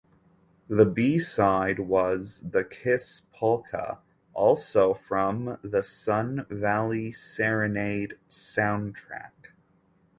The B side was "The Kiss Polka", also from the "Sun Valley Serenade" soundtrack.